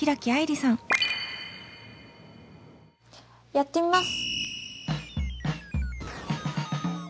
やってみます！